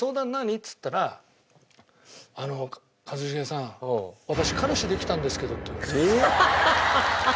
っつったら「あの一茂さん私彼氏できたんですけど」って言われた。